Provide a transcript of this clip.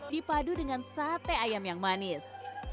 dipadu dengan sate ayam yang manis